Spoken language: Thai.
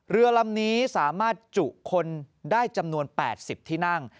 เรือลำนี้สามารถจุคนได้จำนวน๘๐ที่นั่ง